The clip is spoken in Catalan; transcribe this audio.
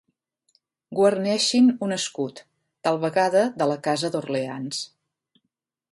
Guarneixin un escut, tal vegada de la casa d'Orleans.